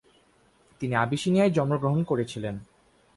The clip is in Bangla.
তিনি আবিসিনিয়ায় জন্মগ্রহণ করেছিলেন।